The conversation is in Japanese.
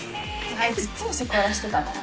あいついつもセクハラしてたの？